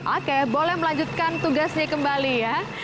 oke boleh melanjutkan tugasnya kembali ya